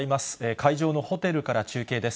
会場のホテルから中継です。